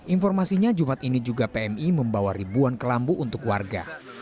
informasinya jumat ini juga pmi membawa ribuan kelambu untuk warga